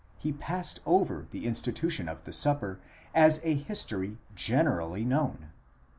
he passed over the institution of the Supper as a history generally known.?